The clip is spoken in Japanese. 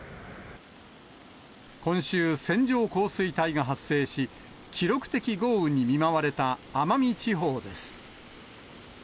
今週、線状降水帯が発生し、記録的豪雨に見舞われた奄美地方です。